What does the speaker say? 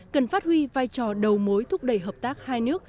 cần phát huy vai trò đầu mối thúc đẩy hợp tác hai nước